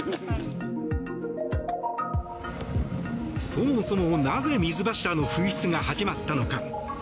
そもそも、なぜ水柱の噴出が始まったのか。